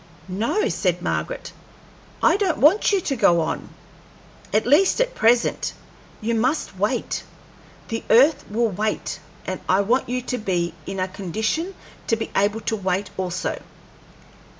"No," said Margaret, "I don't want you to go on at least at present; you must wait. The earth will wait, and I want you to be in a condition to be able to wait also.